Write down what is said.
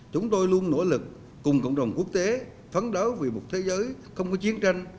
chúng tôi luôn nỗ lực cùng cộng đồng quốc tế phán đấu vì một thế giới không có chiến tranh